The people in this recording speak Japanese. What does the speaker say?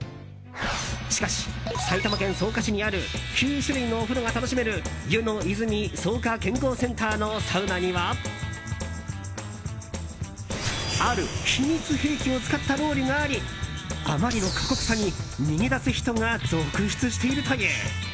しかし、埼玉県草加市にある９種類のお風呂が楽しめる湯乃泉草加健康センターのサウナにはある秘密兵器を使ったロウリュがありあまりの過酷さに逃げ出す人が続出しているという。